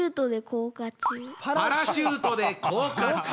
パラシュートでこう下中。